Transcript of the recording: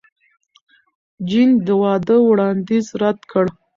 جین د واده وړاندیز رد کړ.